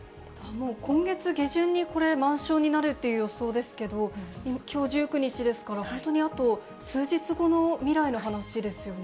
今月下旬にこれ、満床になるっていう予想ですけど、きょう１９日ですから、本当にあと数日後の未来の話ですよね。